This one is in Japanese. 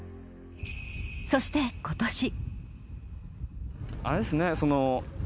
そして、今年。